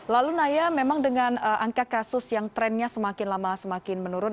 lalu naya memang dengan angka kasus yang trennya semakin lama semakin menurun